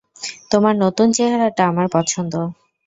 তোমার নতুন চেহারাটা আমার পছন্দ।